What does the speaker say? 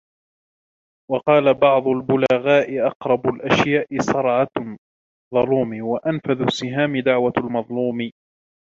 وَقَالَ بَعْضُ الْبُلَغَاءِ أَقْرَبُ الْأَشْيَاءِ صَرْعَةُ الظَّلُومِ ، وَأَنْفَذُ السِّهَامِ دَعْوَةُ الْمَظْلُومِ